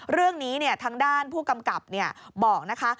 เรื่องนี้เนี่ยทางด้านผู้กำกับเนี่ยบอกนะคะ